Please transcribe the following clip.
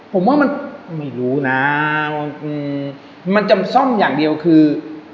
ผมว่ามันไม่รู้นะมันจำซ่อมอย่างเดียวคือ